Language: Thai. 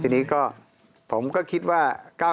ทีนี้ก็ผมก็คิดว่า